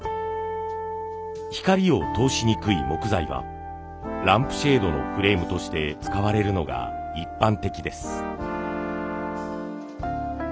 光を通しにくい木材はランプシェードのフレームとして使われるのが一般的です。